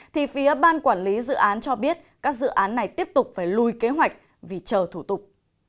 thì phía ban quản lý dự án cho biết các dự án này tiếp tục phải lùi kế hoạch vì chờ thủ tục